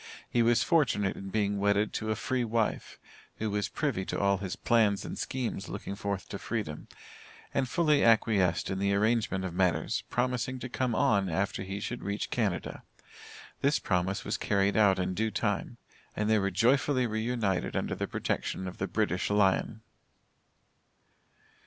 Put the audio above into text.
He was fortunate in being wedded to a free wife, who was privy to all his plans and schemes looking forth to freedom, and fully acquiesced in the arrangement of matters, promising to come on after he should reach Canada. This promise was carried out in due time, and they were joyfully re united under the protection of the British Lion.